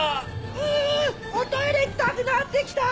ううー！おトイレ行きたくなってきたー！